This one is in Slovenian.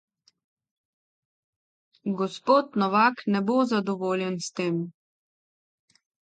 Gospod Novak ne bo zadovoljen s tem.